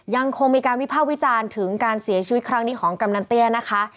ยังคงมีการวิภาควิจารณ์ถึงการเสียชีวิตครั้งนี้ของกำนันเตี้ยนะคะ